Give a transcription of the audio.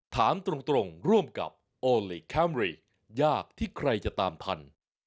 ถามตรงร่วมกับโอลี่คัมรี่ยากที่ใครจะตามทัน